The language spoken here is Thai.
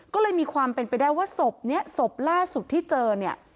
ก็เลยมีความเป็นไปได้ว่าศพนี้ศพล่าสุดที่เจอเนี่ย